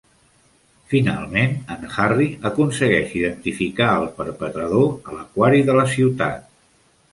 Finalment, en Harry aconsegueix identificar el perpetrador a l'aquari de la ciutat.